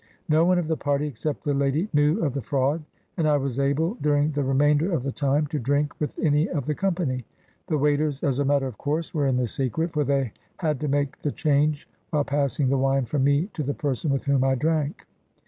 No one of the party, except the ]ady, knew of the fraud, and I was able, during the remainder of the time, to drink with any of the company. The waiters, as a matter of course, were in the secret, for they had to make the change while passing the wine from me to the person with whom I drank.